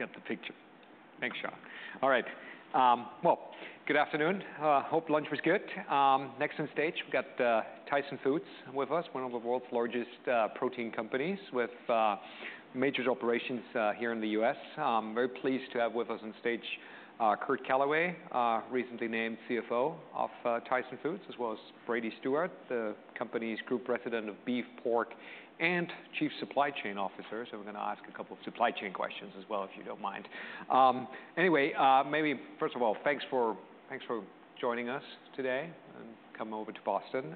All right, get the picture. Thanks a lot. All right, well, good afternoon. Hope lunch was good. Next on stage, we've got Tyson Foods with us, one of the world's largest protein companies with major operations here in the U.S. I'm very pleased to have with us on stage Curt Calaway, recently named CFO of Tyson Foods, as well as Brady Stewart, the company's Group President of Beef, Pork, and Chief Supply Chain Officer. So we're going to ask a couple of supply chain questions as well, if you don't mind. Anyway, maybe first of all, thanks for joining us today and coming over to Boston.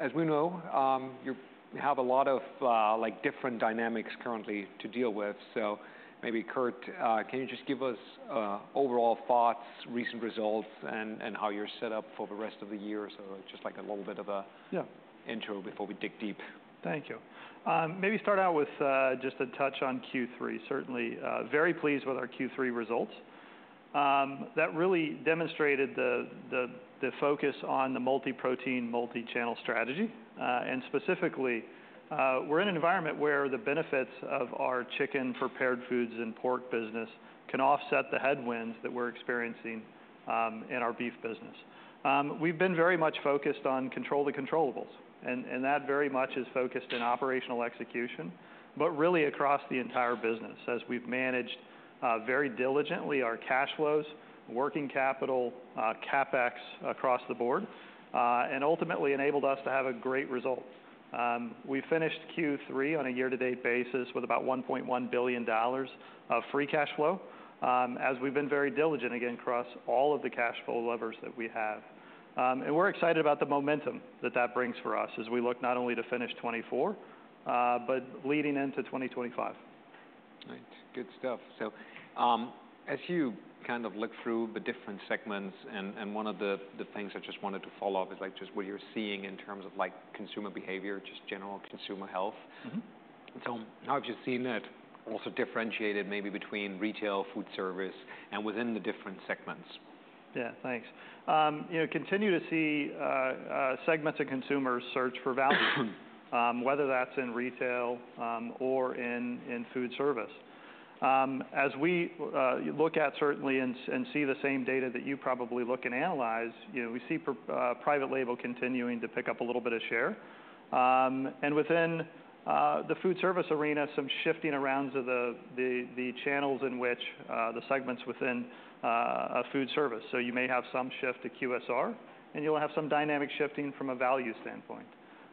As we know, you have a lot of like different dynamics currently to deal with. So maybe, Curt, can you just give us overall thoughts, recent results, and, and how you're set up for the rest of the year? So just like a little bit of a... Yeah.... intro before we dig deep? Thank you. Maybe start out with just a touch on Q3. Certainly very pleased with our Q3 results. That really demonstrated the focus on the multi-protein, multi-channel strategy. And specifically, we're in an environment where the benefits of our chicken prepared foods and pork business can offset the headwinds that we're experiencing in our beef business. We've been very much focused on control the controllables, and that very much is focused in operational execution, but really across the entire business, as we've managed very diligently our cash flows, working capital, CapEx across the board, and ultimately enabled us to have a great result. We finished Q3 on a year-to-date basis with about $1.1 billion of free cash flow, as we've been very diligent, again, across all of the cash flow levers that we have. And we're excited about the momentum that that brings for us as we look not only to finish 2024, but leading into 2025. Right. Good stuff. So, as you kind of look through the different segments, and one of the things I just wanted to follow up is, like, just what you're seeing in terms of, like, consumer behavior, just general consumer health. Mm-hmm. So how have you seen that also differentiated maybe between retail, food service, and within the different segments? Yeah, thanks. You know, continue to see segments of consumers search for value, whether that's in retail, or in food service. As we look at certainly and see the same data that you probably look and analyze, you know, we see private label continuing to pick up a little bit of share. And within the food service arena, some shifting around of the channels in which the segments within a food service. So you may have some shift to QSR, and you'll have some dynamic shifting from a value standpoint.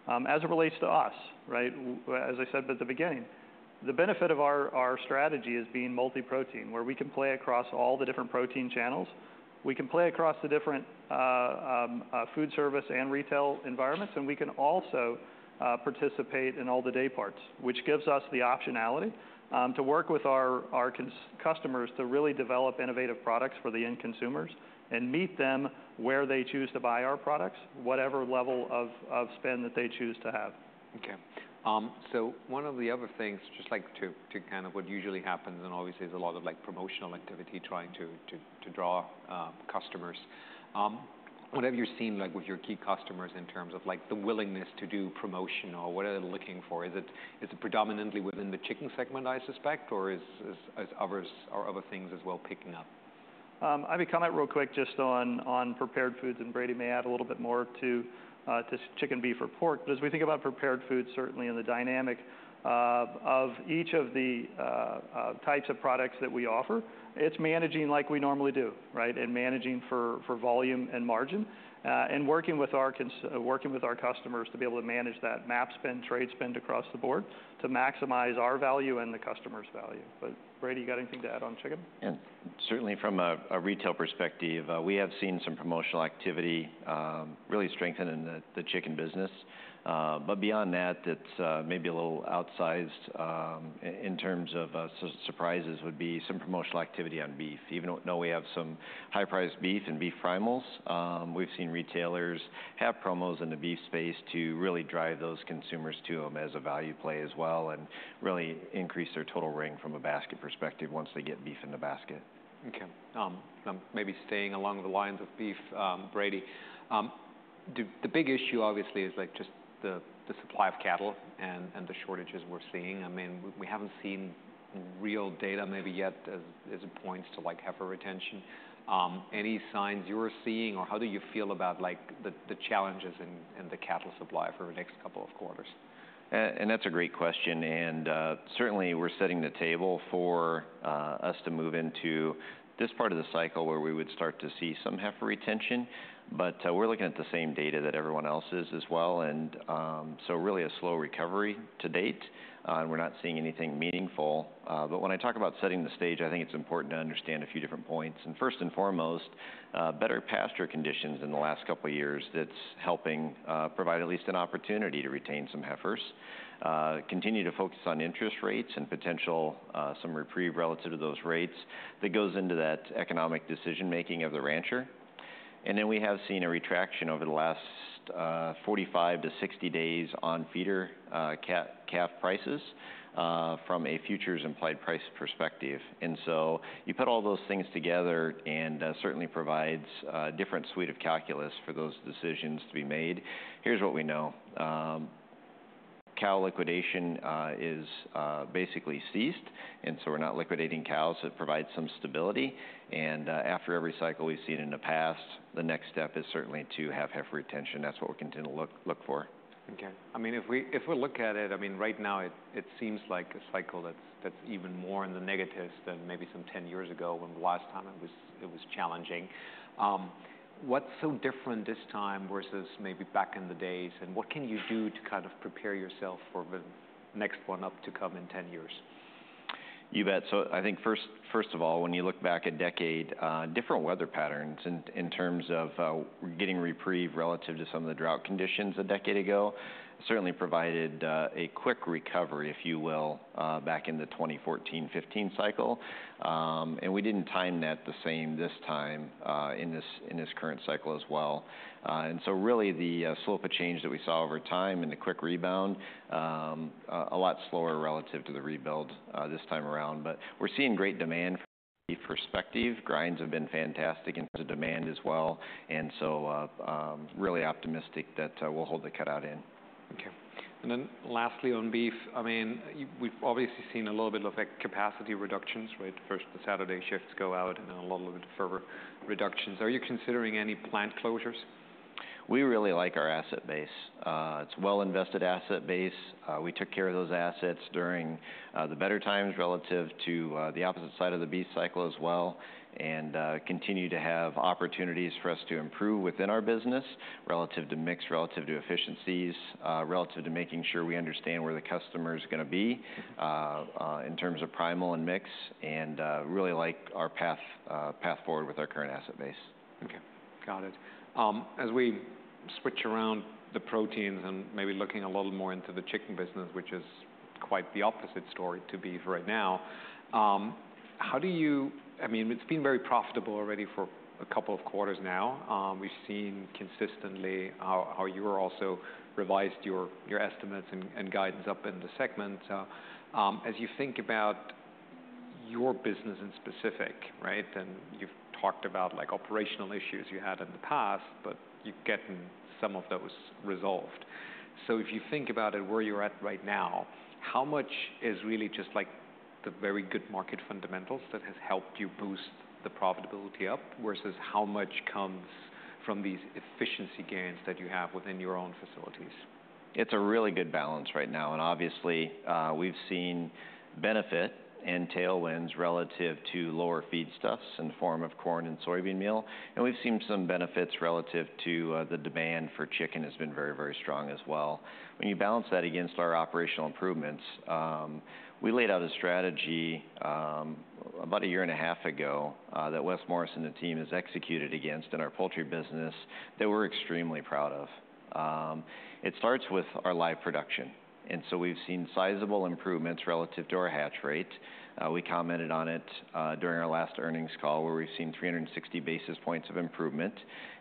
As it relates to us, right, as I said at the beginning, the benefit of our strategy is being multi-protein, where we can play across all the different protein channels. We can play across the different food service and retail environments, and we can also participate in all the day parts, which gives us the optionality to work with our customers to really develop innovative products for the end consumers and meet them where they choose to buy our products, whatever level of spend that they choose to have. Okay. So one of the other things, just like to kind of what usually happens, and obviously there's a lot of, like, promotional activity, trying to draw customers. What have you seen, like, with your key customers in terms of, like, the willingness to do promotional? What are they looking for? Is it predominantly within the chicken segment, I suspect, or is others or other things as well picking up? I'm going to comment real quick just on prepared foods, and Brady may add a little bit more to chicken, beef, or pork. But as we think about prepared foods, certainly in the dynamic of each of the types of products that we offer, it's managing like we normally do, right? And managing for volume and margin, and working with our customers to be able to manage that trade spend across the board to maximize our value and the customer's value. But Brady, you got anything to add on chicken? Yeah. Certainly, from a retail perspective, we have seen some promotional activity really strengthen in the chicken business. But beyond that, it's maybe a little outsized in terms of, so surprises would be some promotional activity on beef. Even though we have some high-priced beef and beef primals, we've seen retailers have promos in the beef space to really drive those consumers to them as a value play as well and really increase their total ring from a basket perspective once they get beef in the basket. Okay. Maybe staying along the lines of beef, Brady, the big issue obviously is, like, just the supply of cattle and the shortages we're seeing. I mean, we haven't seen real data maybe yet as it points to, like, heifer retention. Any signs you are seeing, or how do you feel about, like, the challenges in the cattle supply for the next couple of quarters? That's a great question, and certainly, we're setting the table for us to move into this part of the cycle where we would start to see some heifer retention, but we're looking at the same data that everyone else is as well, and so really a slow recovery to date. We're not seeing anything meaningful, but when I talk about setting the stage, I think it's important to understand a few different points, and first and foremost, better pasture conditions in the last couple of years that's helping provide at least an opportunity to retain some heifers, continue to focus on interest rates and potential some reprieve relative to those rates that goes into that economic decision-making of the rancher. And then we have seen a retraction over the last 45-60 days on feeder calf prices from a futures implied price perspective. And so you put all those things together, and certainly provides a different suite of calculus for those decisions to be made. Here's what we know. Cow liquidation is basically ceased, and so we're not liquidating cows. It provides some stability, and after every cycle we've seen in the past, the next step is certainly to have heifer retention. That's what we continue to look for. Okay. I mean, if we look at it, I mean, right now, it seems like a cycle that's even more in the negatives than maybe some ten years ago when the last time it was challenging. What's so different this time versus maybe back in the days, and what can you do to kind of prepare yourself for the next one up to come in ten years? You bet. So I think first, first of all, when you look back a decade, different weather patterns in terms of getting reprieve relative to some of the drought conditions a decade ago certainly provided a quick recovery, if you will, back in the 2014-2015 cycle. And we didn't time that the same this time in this current cycle as well. And so really the slope of change that we saw over time and the quick rebound a lot slower relative to the rebuild this time around. But we're seeing great demand perspective. Grinds have been fantastic into demand as well, and so really optimistic that we'll hold the cutout in. Okay. And then lastly, on beef, I mean, we've obviously seen a little bit of capacity reductions, right? First, the Saturday shifts go out, and then a little bit further reductions. Are you considering any plant closures? We really like our asset base. It's well-invested asset base. We took care of those assets during the better times relative to the opposite side of the beef cycle as well, and continue to have opportunities for us to improve within our business relative to mix, relative to efficiencies, relative to making sure we understand where the customer's gonna be in terms of primal and mix, and really like our path forward with our current asset base. Okay, got it. As we switch around the proteins and maybe looking a little more into the chicken business, which is quite the opposite story to beef right now, how do you—I mean, it's been very profitable already for a couple of quarters now. We've seen consistently how you are also revised your estimates and guidance up in the segment. As you think about your business in specific, right? And you've talked about, like, operational issues you had in the past, but you're getting some of those resolved. So if you think about it, where you're at right now, how much is really just like the very good market fundamentals that has helped you boost the profitability up, versus how much comes from these efficiency gains that you have within your own facilities? It's a really good balance right now, and obviously, we've seen benefit and tailwinds relative to lower feedstuffs in the form of corn and soybean meal. And we've seen some benefits relative to, the demand for chicken has been very, very strong as well. When you balance that against our operational improvements, we laid out a strategy, about a year and a half ago, that Wes Morris and the team has executed against in our poultry business that we're extremely proud of. It starts with our live production, and so we've seen sizable improvements relative to our hatch rate. We commented on it, during our last earnings call, where we've seen 360 basis points of improvement,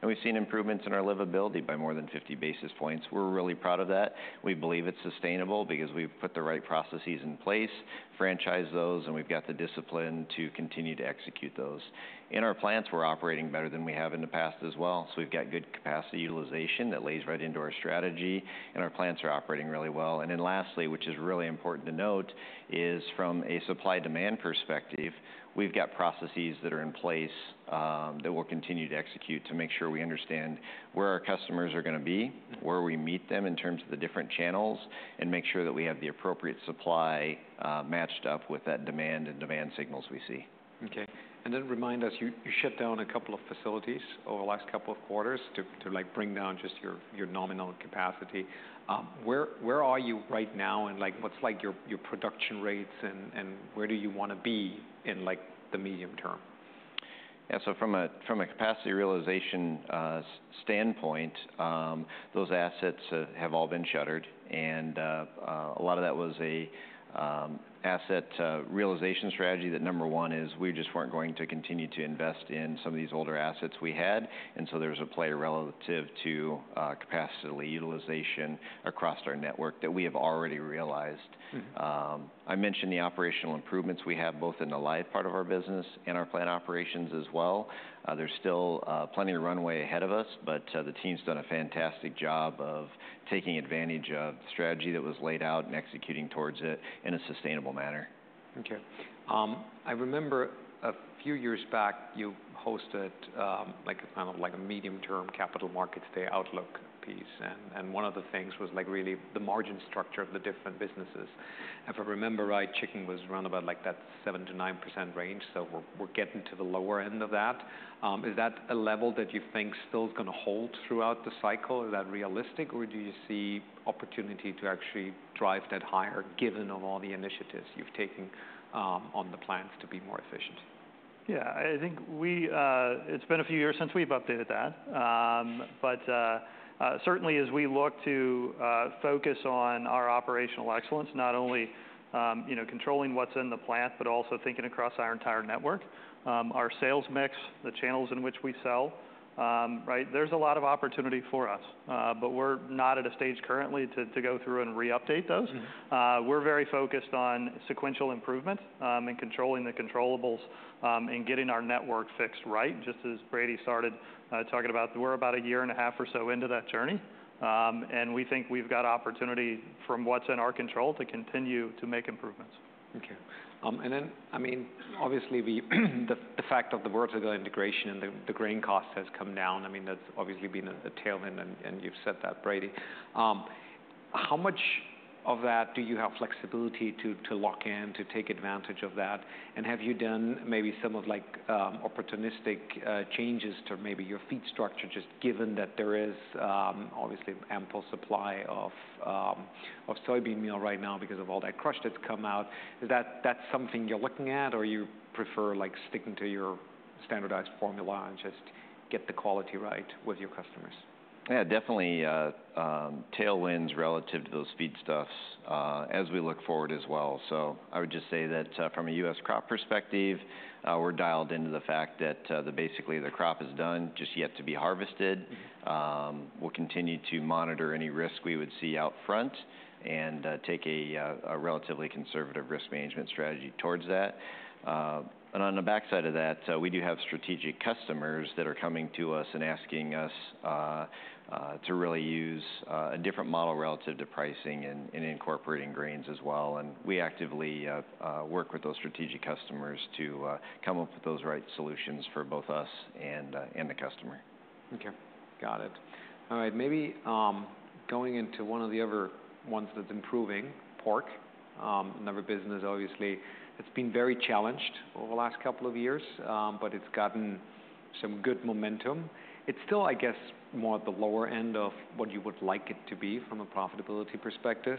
and we've seen improvements in our livability by more than 50 basis points. We're really proud of that. We believe it's sustainable because we've put the right processes in place, franchised those, and we've got the discipline to continue to execute those. In our plants, we're operating better than we have in the past as well, so we've got good capacity utilization that lays right into our strategy, and our plants are operating really well. And then lastly, which is really important to note, is from a supply-demand perspective, we've got processes that are in place, that we'll continue to execute to make sure we understand where our customers are gonna be, where we meet them in terms of the different channels, and make sure that we have the appropriate supply, matched up with that demand and demand signals we see. Okay. And then remind us, you shut down a couple of facilities over the last couple of quarters to, like, bring down just your nominal capacity. Where are you right now, and, like, what's your production rates and where do you wanna be in, like, the medium term? Yeah, so from a capacity realization standpoint, those assets have all been shuttered, and a lot of that was a asset realization strategy, that number one is we just weren't going to continue to invest in some of these older assets we had, and so there's a play relative to capacity utilization across our network that we have already realized. Mm-hmm. I mentioned the operational improvements we have both in the live part of our business and our plant operations as well. There's still plenty of runway ahead of us, but the team's done a fantastic job of taking advantage of the strategy that was laid out and executing towards it in a sustainable manner. Okay. I remember a few years back you hosted, like a kind of, a medium-term capital markets day outlook piece, and one of the things was, like, really the margin structure of the different businesses. If I remember right, chicken was around about, like, that 7%-9% range, so we're getting to the lower end of that. Is that a level that you think still is gonna hold throughout the cycle? Is that realistic, or do you see opportunity to actually drive that higher, given all the initiatives you've taken, on the plans to be more efficient? Yeah, I think we. It's been a few years since we've updated that. But certainly as we look to focus on our operational excellence, not only you know, controlling what's in the plant, but also thinking across our entire network, our sales mix, the channels in which we sell, right? There's a lot of opportunity for us, but we're not at a stage currently to go through and re-update those. Mm-hmm. We're very focused on sequential improvement, and controlling the controllables, and getting our network fixed right, just as Brady started talking about. We're about a year and a half or so into that journey, and we think we've got opportunity from what's in our control to continue to make improvements. Okay. And then, I mean, obviously, the fact of the vertical integration and the grain cost has come down, I mean, that's obviously been a tailwind, and you've said that, Brady. How much of that do you have flexibility to lock in, to take advantage of that? And have you done maybe some of, like, opportunistic changes to maybe your feed structure, just given that there is obviously ample supply of soybean meal right now because of all that crush that's come out? Is that something you're looking at, or you prefer, like, sticking to your standardized formula and just get the quality right with your customers? Yeah, definitely, tailwinds relative to those feedstuffs as we look forward as well. So I would just say that from a U.S. crop perspective, we're dialed into the fact that basically the crop is done, just yet to be harvested. We'll continue to monitor any risk we would see out front and take a relatively conservative risk management strategy towards that. And on the backside of that, we do have strategic customers that are coming to us and asking us to really use a different model relative to pricing and incorporating grains as well. And we actively work with those strategic customers to come up with those right solutions for both us and the customer. Okay, got it. All right, maybe going into one of the other ones that's improving, pork, another business, obviously, it's been very challenged over the last couple of years, but it's gotten some good momentum. It's still, I guess, more at the lower end of what you would like it to be from a profitability perspective.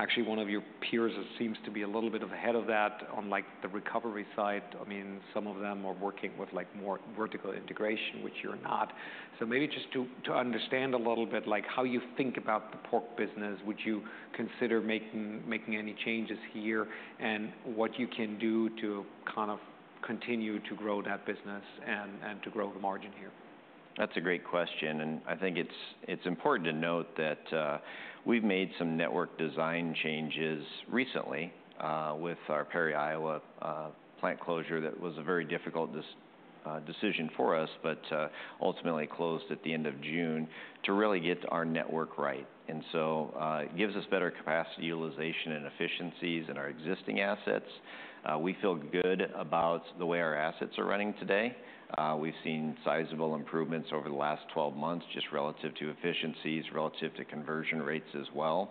Actually, one of your peers seems to be a little bit ahead of that on, like, the recovery side. I mean, some of them are working with, like, more vertical integration, which you're not. So maybe just to understand a little bit, like, how you think about the pork business. Would you consider making any changes here, and what you can do to kind of continue to grow that business and to grow the margin here? That's a great question, and I think it's important to note that we've made some network design changes recently with our Perry, Iowa plant closure. That was a very difficult decision for us, but ultimately closed at the end of June to really get our network right. And so it gives us better capacity utilization and efficiencies in our existing assets. We feel good about the way our assets are running today. We've seen sizable improvements over the last twelve months, just relative to efficiencies, relative to conversion rates as well.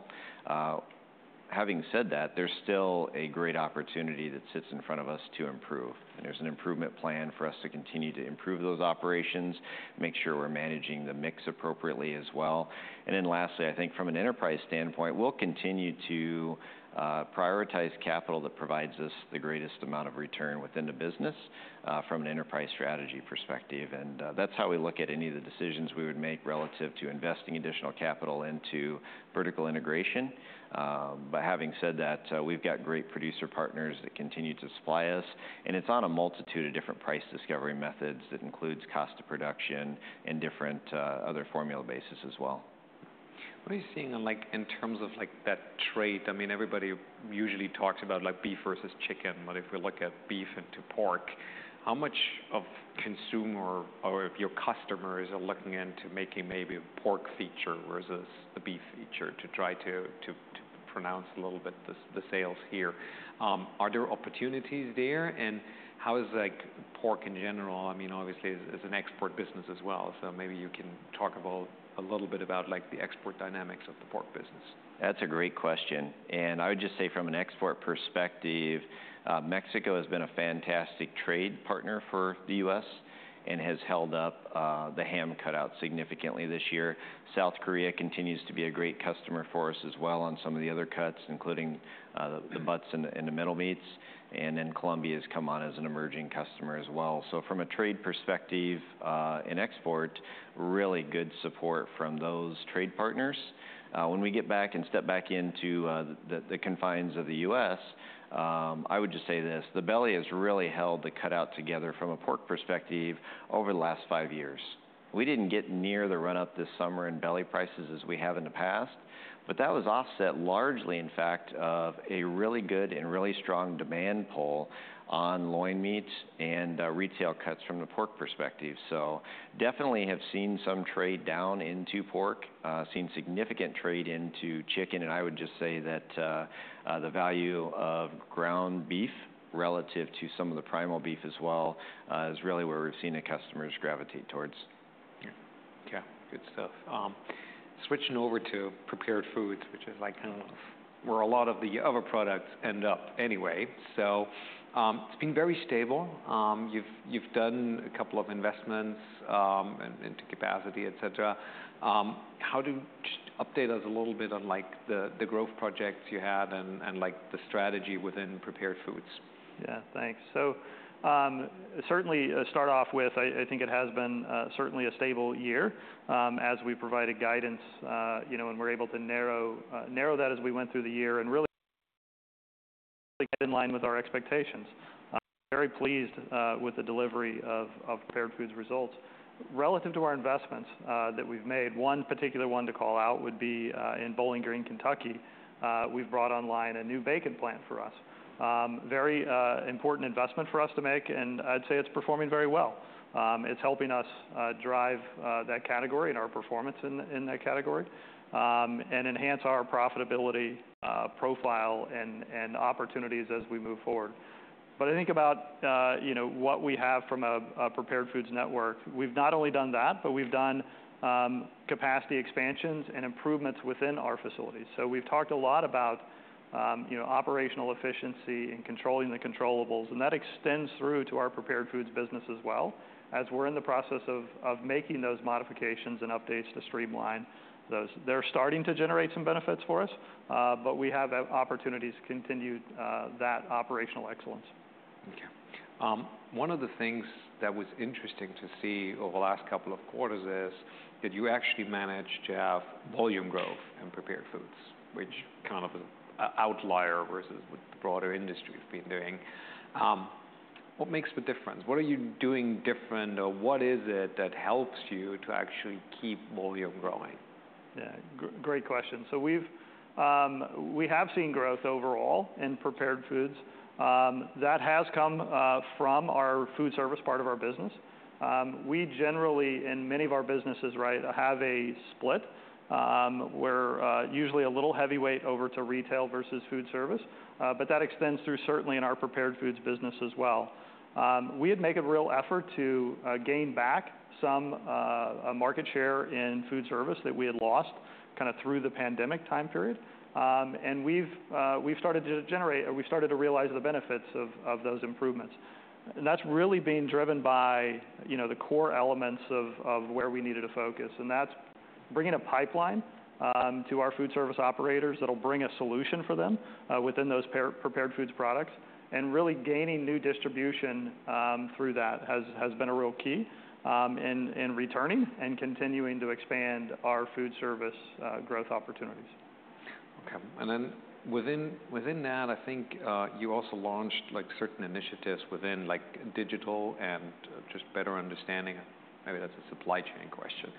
Having said that, there's still a great opportunity that sits in front of us to improve, and there's an improvement plan for us to continue to improve those operations, make sure we're managing the mix appropriately as well. And then lastly, I think from an enterprise standpoint, we'll continue to prioritize capital that provides us the greatest amount of return within the business, from an enterprise strategy perspective. And, that's how we look at any of the decisions we would make relative to investing additional capital into vertical integration. But having said that, we've got great producer partners that continue to supply us, and it's on a multitude of different price discovery methods that includes cost of production and different, other formula basis as well. What are you seeing, like, in terms of that trade? I mean, everybody usually talks about, like, beef versus chicken, but if we look at beef into pork, how much of consumer or if your customers are looking into making maybe a pork feature versus the beef feature to try to pronounce a little bit the sales here? Are there opportunities there, and how is, like, pork in general, I mean, obviously, as an export business as well. So maybe you can talk about a little bit about, like, the export dynamics of the pork business? That's a great question, and I would just say from an export perspective, Mexico has been a fantastic trade partner for the U.S. and has held up the ham cutout significantly this year. South Korea continues to be a great customer for us as well on some of the other cuts, including the butts and the middle meats, and then Colombia has come on as an emerging customer as well. So from a trade perspective, in export, really good support from those trade partners. When we get back and step back into the confines of the U.S., I would just say this: The belly has really held the cutout together from a pork perspective over the last five years. We didn't get near the run-up this summer in belly prices as we have in the past, but that was offset largely, in fact, of a really good and really strong demand pull on loin meats and, retail cuts from the pork perspective. So definitely have seen some trade down into pork, seen significant trade into chicken, and I would just say that, the value of ground beef relative to some of the primal beef as well, is really where we've seen the customers gravitate towards. Yeah. Okay, good stuff. Switching over to prepared foods, which is like kind of where a lot of the other products end up anyway. So, it's been very stable. You've done a couple of investments into capacity, et cetera. Just update us a little bit on, like, the growth projects you had and, like, the strategy within prepared foods. Yeah, thanks. So, certainly, start off with, I think it has been certainly a stable year, as we provided guidance, you know, and we're able to narrow that as we went through the year and really with our expectations. Very pleased with the delivery of Prepared Foods results. Relative to our investments that we've made, one particular one to call out would be in Bowling Green, Kentucky. We've brought online a new bacon plant for us. Very important investment for us to make, and I'd say it's performing very well. It's helping us drive that category and our performance in that category, and enhance our profitability profile and opportunities as we move forward. But I think about you know what we have from a prepared foods network. We've not only done that, but we've done capacity expansions and improvements within our facilities. So we've talked a lot about you know operational efficiency and controlling the controllables, and that extends through to our prepared foods business as well, as we're in the process of making those modifications and updates to streamline those. They're starting to generate some benefits for us, but we have opportunities to continue that operational excellence. Okay. One of the things that was interesting to see over the last couple of quarters is that you actually managed to have volume growth in prepared foods, which kind of is an outlier versus what the broader industry has been doing. What makes the difference? What are you doing different, or what is it that helps you to actually keep volume growing? Yeah, great question. So we've, we have seen growth overall in prepared foods. That has come from our food service part of our business. We generally, in many of our businesses, right, have a split, where usually a little heavyweight over to retail versus food service, but that extends through certainly in our prepared foods business as well. We had made a real effort to gain back some market share in food service that we had lost kind of through the pandemic time period. And we've started to realize the benefits of those improvements. That's really being driven by, you know, the core elements of where we needed to focus, and that's bringing a pipeline to our food service operators that'll bring a solution for them within those prepared foods products. Really gaining new distribution through that has been a real key in returning and continuing to expand our food service growth opportunities. Okay. And then within that, I think you also launched, like, certain initiatives within, like, digital and just better understanding. Maybe that's a supply chain question.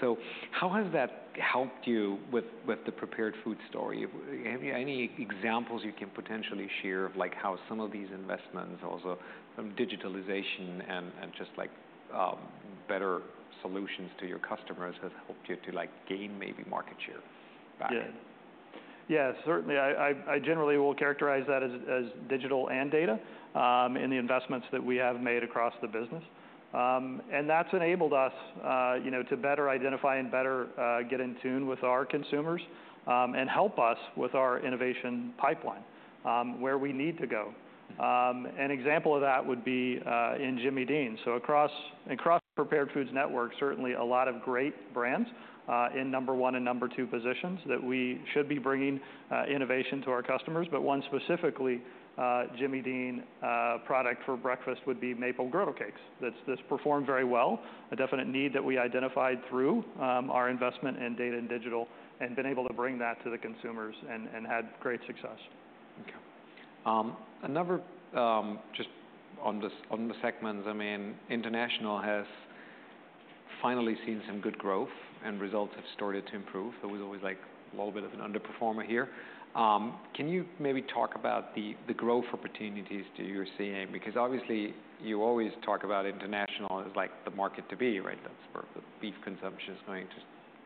So how has that helped you with the prepared food story? Any examples you can potentially share of, like, how some of these investments, also from digitalization and just, like, better solutions to your customers, has helped you to, like, gain maybe market share back? Yeah. Yeah, certainly, I generally will characterize that as digital and data in the investments that we have made across the business. And that's enabled us, you know, to better identify and better get in tune with our consumers, and help us with our innovation pipeline, where we need to go. An example of that would be in Jimmy Dean. So across prepared foods network, certainly a lot of great brands in number one and number two positions that we should be bringing innovation to our customers. But one specifically, Jimmy Dean product for breakfast would be Maple Griddle Cakes. That's, this performed very well. A definite need that we identified through our investment in data and digital, and been able to bring that to the consumers and had great success. Okay. Another, just on the segments, I mean, international has finally seen some good growth, and results have started to improve. There was always, like, a little bit of an underperformer here. Can you maybe talk about the growth opportunities that you're seeing? Because obviously, you always talk about international as, like, the market to be, right? That's where the beef consumption is going to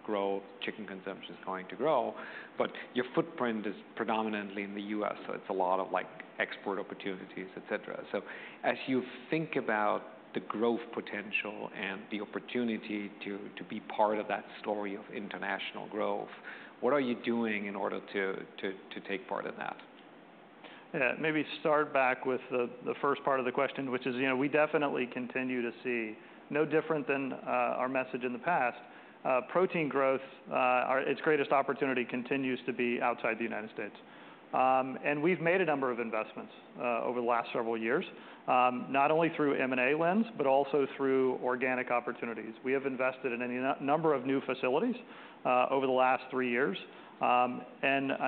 grow, chicken consumption is going to grow, but your footprint is predominantly in the U.S., so it's a lot of, like, export opportunities, et cetera. So as you think about the growth potential and the opportunity to be part of that story of international growth, what are you doing in order to take part in that? Yeah, maybe start back with the first part of the question, which is, you know, we definitely continue to see no different than our message in the past. Protein growth, its greatest opportunity continues to be outside the United States. And we've made a number of investments over the last several years, not only through M&A lens, but also through organic opportunities. We have invested in a number of new facilities over the last three years. And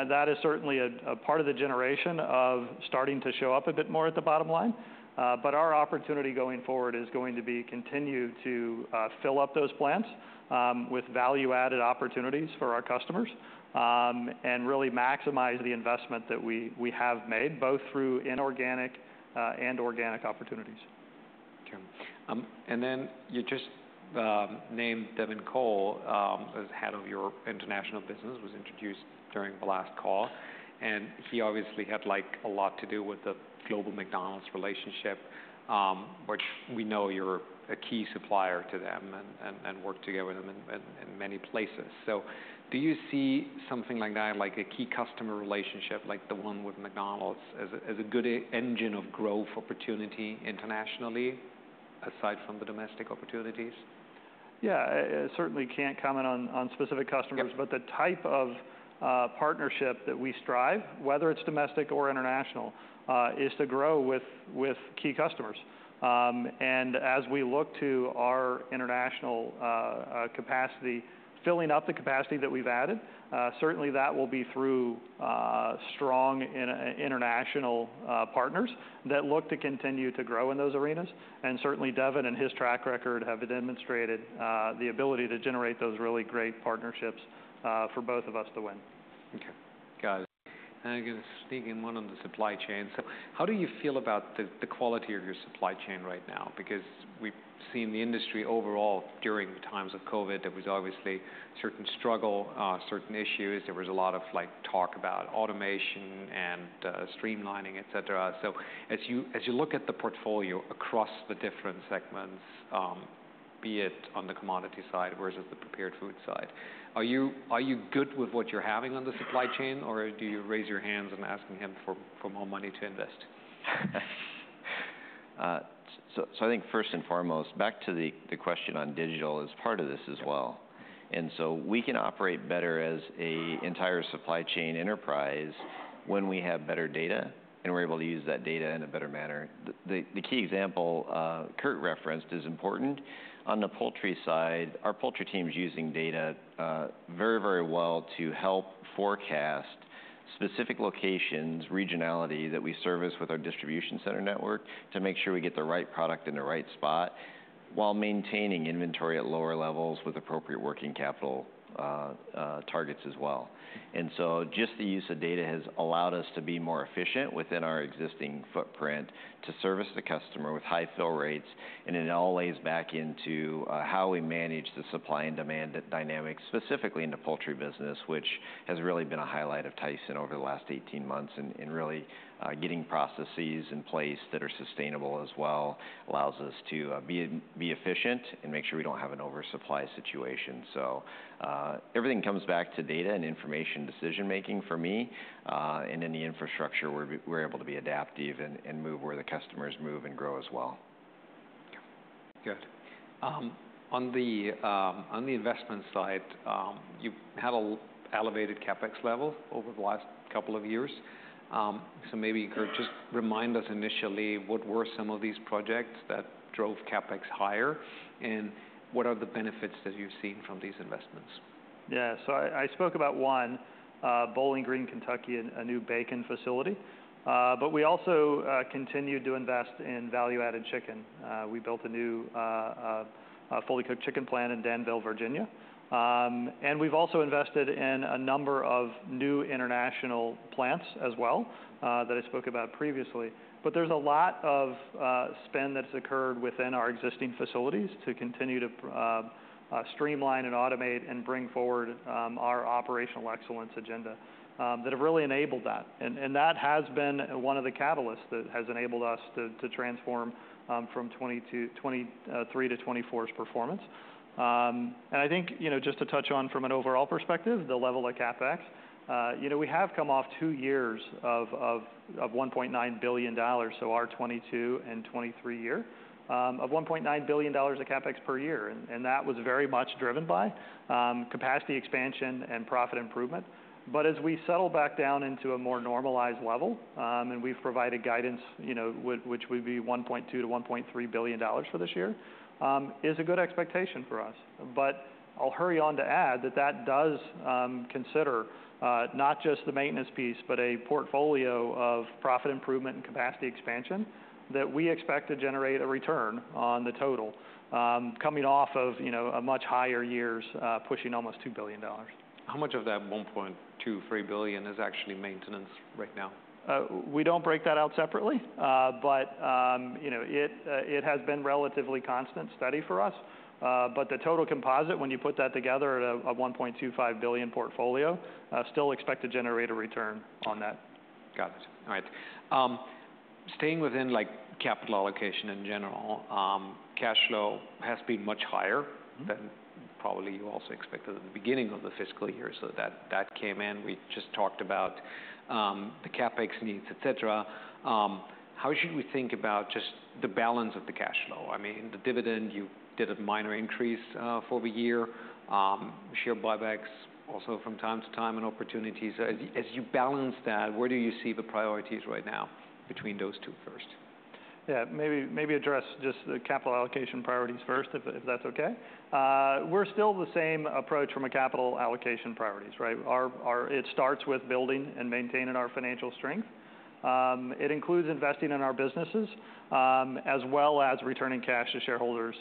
that is certainly a part of the generation of starting to show up a bit more at the bottom line. But our opportunity going forward is going to be continue to fill up those plants with value-added opportunities for our customers and really maximize the investment that we have made, both through inorganic and organic opportunities. Okay. And then you just named Devin Cole as head of your international business, was introduced during the last call, and he obviously had, like, a lot to do with the global McDonald's relationship, which we know you're a key supplier to them and work together with them in many places. So do you see something like that, like a key customer relationship, like the one with McDonald's, as a good engine of growth opportunity internationally, aside from the domestic opportunities? Yeah. I certainly can't comment on specific customers... Yep.... but the type of partnership that we strive, whether it's domestic or international, is to grow with key customers, and as we look to our international capacity, filling up the capacity that we've added, certainly that will be through strong international partners that look to continue to grow in those arenas, and certainly, Devin and his track record have demonstrated the ability to generate those really great partnerships for both of us to win. Okay, got it. And I can sneak in one on the supply chain. So how do you feel about the quality of your supply chain right now? Because we've seen the industry overall during times of COVID, there was obviously certain struggle, certain issues. There was a lot of, like, talk about automation and streamlining, et cetera. So as you look at the portfolio across the different segments, be it on the commodity side versus the prepared food side. Are you good with what you're having on the supply chain, or do you raise your hands and asking him for more money to invest? So I think first and foremost, back to the question on digital is part of this as well. And so we can operate better as an entire supply chain enterprise when we have better data and we're able to use that data in a better manner. The key example Curt referenced is important. On the poultry side, our poultry team's using data very, very well to help forecast specific locations, regionality that we service with our distribution center network, to make sure we get the right product in the right spot, while maintaining inventory at lower levels with appropriate working capital targets as well. And so just the use of data has allowed us to be more efficient within our existing footprint to service the customer with high fill rates, and it all lays back into how we manage the supply and demand dynamics, specifically in the poultry business, which has really been a highlight of Tyson over the last eighteen months. And really getting processes in place that are sustainable as well allows us to be efficient and make sure we don't have an oversupply situation. So everything comes back to data and information decision-making for me and in the infrastructure, we're able to be adaptive and move where the customers move and grow as well. Good. On the investment side, you've had an elevated CapEx level over the last couple of years. So maybe, Curt, just remind us initially, what were some of these projects that drove CapEx higher, and what are the benefits that you've seen from these investments? Yeah, so I spoke about one, Bowling Green, Kentucky, a new bacon facility. But we also continued to invest in value-added chicken. We built a new, a fully cooked chicken plant in Danville, Virginia. And we've also invested in a number of new international plants as well, that I spoke about previously. But there's a lot of spend that's occurred within our existing facilities to continue to streamline and automate and bring forward, our operational excellence agenda, that have really enabled that. And that has been one of the catalysts that has enabled us to transform, from 2022, 2023 to 2024's performance. And I think, you know, just to touch on from an overall perspective, the level of CapEx, you know, we have come off two years of $1.9 billion, so our 2022 and 2023 year of $1.9 billion of CapEx per year. And that was very much driven by capacity expansion and profit improvement. But as we settle back down into a more normalized level, and we've provided guidance, you know, which would be $1.2-$1.3 billion for this year, is a good expectation for us. But I'll hurry on to add that that does consider not just the maintenance piece, but a portfolio of profit improvement and capacity expansion that we expect to generate a return on the total, coming off of, you know, a much higher years pushing almost $2 billion. How much of that $1.2 to $1.3 billion is actually maintenance right now? We don't break that out separately. But, you know, it has been relatively constant, steady for us. But the total composite, when you put that together at a $1.25 billion portfolio, still expect to generate a return on that. Got it. All right. Staying within, like, capital allocation in general, cash flow has been much higher... Mm-hmm.... than probably you also expected at the beginning of the fiscal year, so that came in. We just talked about the CapEx needs, et cetera. How should we think about just the balance of the cash flow? I mean, the dividend, you did a minor increase for the year. Share buybacks also from time to time and opportunities. As you balance that, where do you see the priorities right now between those two first? Yeah, maybe address just the capital allocation priorities first, if that's okay. We're still the same approach from a capital allocation priorities, right? It starts with building and maintaining our financial strength. It includes investing in our businesses, as well as returning cash to shareholders,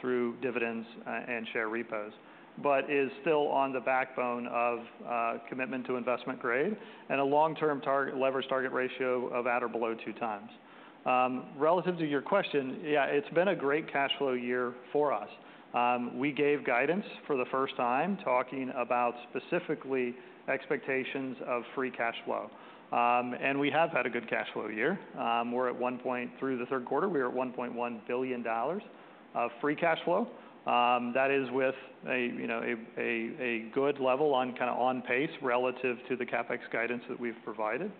through dividends and share repos, but is still on the backbone of commitment to investment grade and a long-term leverage target ratio of at or below two times. Relative to your question, yeah, it's been a great cash flow year for us. We gave guidance for the first time, talking about specifically expectations of free cash flow. And we have had a good cash flow year. We're at $1.1 billion through the third quarter of free cash flow. That is with a, you know, a good level, kind of on pace relative to the CapEx guidance that we've provided,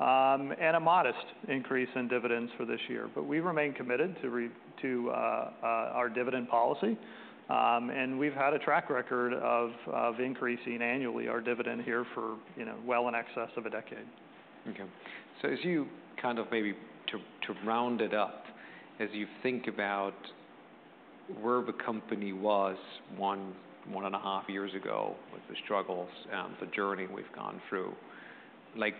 and a modest increase in dividends for this year. But we remain committed to our dividend policy. And we've had a track record of increasing annually our dividend here for, you know, well in excess of a decade. Okay. So as you kind of maybe to round it up, as you think about where the company was one, one and a half years ago, with the struggles, the journey we've gone through, like,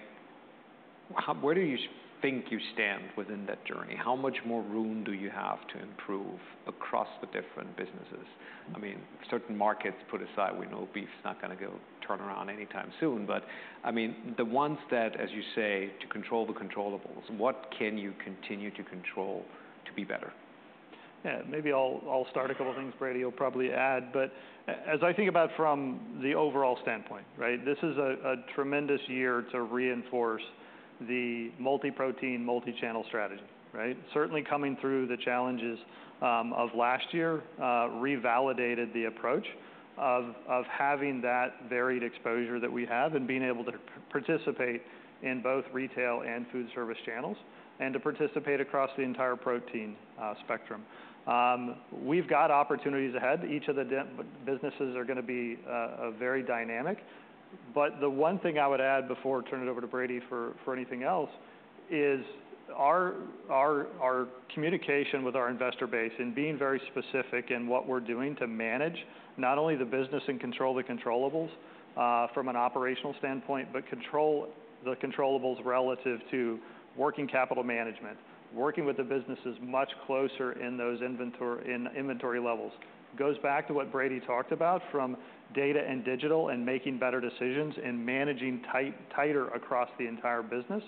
where do you think you stand within that journey? How much more room do you have to improve across the different businesses? I mean, certain markets put aside, we know beef's not gonna go turn around anytime soon, but I mean, the ones that, as you say, to control the controllables, what can you continue to control to be better? Yeah, maybe I'll start a couple things. Brady will probably add. But as I think about from the overall standpoint, right, this is a tremendous year to reinforce the multi-protein, multi-channel strategy, right? Certainly coming through the challenges of last year revalidated the approach of having that varied exposure that we have and being able to participate in both retail and food service channels, and to participate across the entire protein spectrum. We've got opportunities ahead. Each of the businesses are gonna be very dynamic. But the one thing I would add before I turn it over to Brady for anything else is our communication with our investor base and being very specific in what we're doing to manage not only the business and control the controllables from an operational standpoint, but control the controllables relative to working capital management, working with the businesses much closer in those inventory levels. Goes back to what Brady talked about from data and digital and making better decisions and managing tighter across the entire business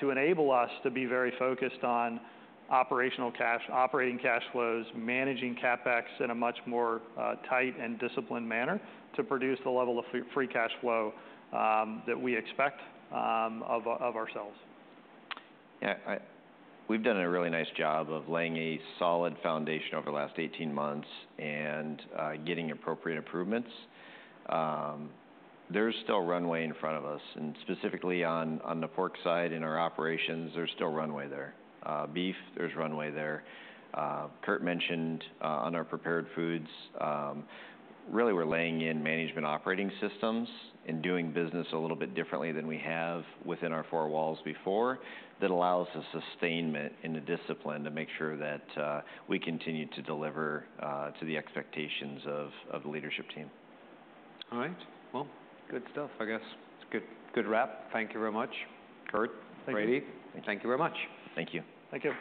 to enable us to be very focused on operational cash, operating cash flows, managing CapEx in a much more tight and disciplined manner to produce the level of free cash flow that we expect of ourselves. Yeah. We've done a really nice job of laying a solid foundation over the last 18 months and getting appropriate improvements. There's still runway in front of us, and specifically on the pork side in our operations, there's still runway there. Beef, there's runway there. Curt mentioned on our prepared foods, really we're laying in management operating systems and doing business a little bit differently than we have within our four walls before, that allows the sustainment and the discipline to make sure that we continue to deliver to the expectations of the leadership team. All right, well, good stuff, I guess. It's a good, good wrap. Thank you very much, Curt. Thank you. Brady, thank you very much. Thank you. Thank you!